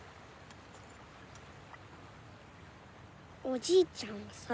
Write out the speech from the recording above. おじいちゃんはさ